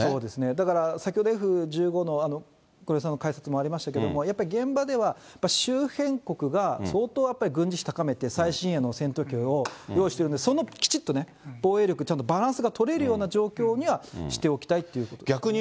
だから、先ほどＦ１５の、黒井さんの解説もありましたけれども、やっぱり現場では、周辺国が相当、軍事費高めて、最新鋭の戦闘機を用意しているので、そのきちっと防衛力、バランスが取れるような状況にはしておきたいということですね。